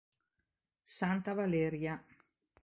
Santa Valeria